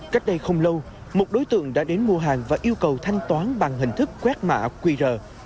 cách đây không lâu một đối tượng đã đến mua hàng và yêu cầu thanh toán bằng hình thức quét mạ quy rờ